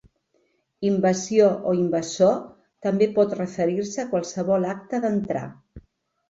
Invasió o invasor també pot referir-se a qualsevol acte d'"entrar"